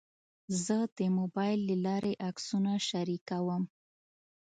زه د موبایل له لارې عکسونه شریکوم.